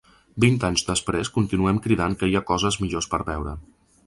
Vint anys després continuem cridant que hi ha coses millors per veure.